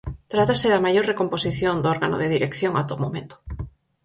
Trátase da maior recomposición do órgano de dirección ata o momento.